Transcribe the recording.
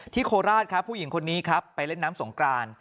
โคราชครับผู้หญิงคนนี้ครับไปเล่นน้ำสงกราน